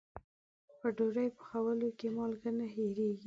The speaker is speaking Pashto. په ډوډۍ پخولو کې مالګه نه هېریږي.